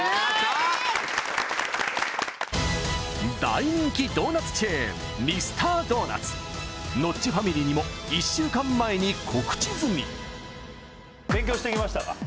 大人気ドーナツチェーンミスタードーナツノッチファミリーにも１週間前に告知済み勉強してきましたか？